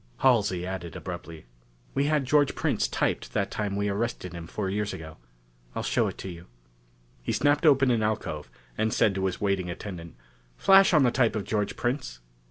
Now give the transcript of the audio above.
Halsey added abruptly: "We had George Prince typed that time we arrested him four years ago. I'll show him to you." He snapped open an alcove, and said to his waiting attendant "Flash on the type of George Prince."